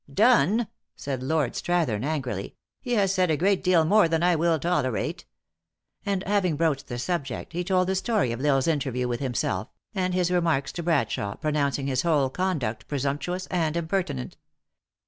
" Done !" said Lord Strathern angrily. " He has said a great deal more than I will tolerate." And, having broached the subject, he told the story of L Isle s interview with himself, and his remarks to Bradshawe, pronouncing his whole conduct presump tuous and impertinent.